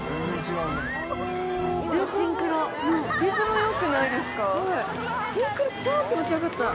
リズムよくないですか。